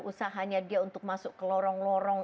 usahanya dia untuk masuk ke lorong lorong